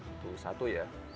itu satu ya